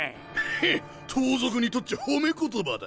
ヘッ盗賊にとっちゃ褒め言葉だ。